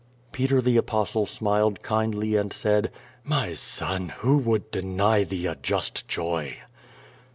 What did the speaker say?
Peter the Apostle smiled kindly and said: My son, who would deny thee a just joy?"